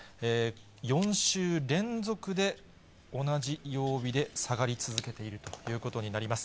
４週連続で同じ曜日で下がり続けているということになります。